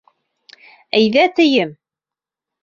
Әйҙә, тием!